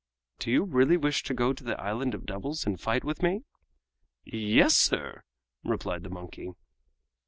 "Do you really wish to go to the Island of Devils and fight with me?" "Yes, sir," replied the monkey.